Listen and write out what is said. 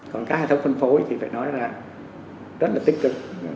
còn các hệ thống phân phối thì phải nói là rất là tích cực